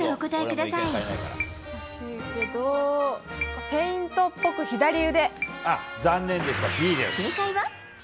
難しいけどフェイントっぽく左腕。